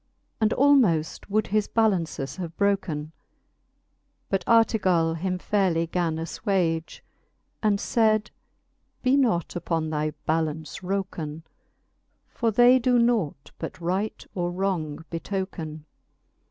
And almoft would his balances have broken : But Artegall him fairely gan afTwage, And faid ; Be not upon thy balance wroken : For they doe nought but right or wrong betoken.